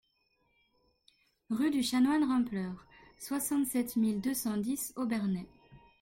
Rue du Chanoine Rumpler, soixante-sept mille deux cent dix Obernai